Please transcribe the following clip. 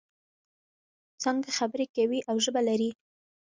څانګه خبرې کوي او ژبه لري.